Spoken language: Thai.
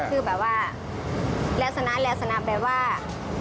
คือแบบว่าลักษณะแหละสนับแบบว่า